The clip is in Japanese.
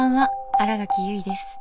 新垣結衣です。